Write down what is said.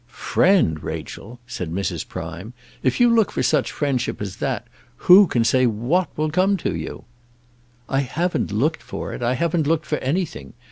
"Friend, Rachel!" said Mrs. Prime. "If you look for such friendship as that, who can say what will come to you?" "I haven't looked for it. I haven't looked for anything.